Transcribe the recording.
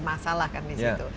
masalah kan di situ